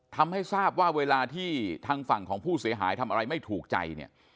ทำให้ทราบว่าเวลาที่ทางฝั่งของผู้เสียหายทำอะไรไม่ถูกใจเนี่ย